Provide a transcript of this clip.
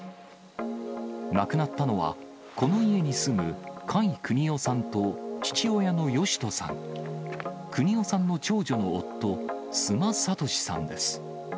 亡くなったのは、この家に住む甲斐邦雄さんと、父親の義人さん、邦雄さんの長女の夫、須磨俊さんです。